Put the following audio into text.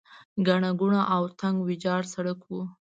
ګڼه ګوڼه او تنګ ویجاړ سړک و.